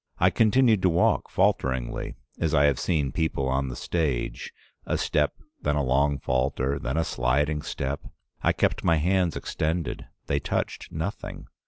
I continued to walk falteringly, as I have seen people on the stage: a step, then a long falter, then a sliding step. I kept my hands extended; they touched nothing.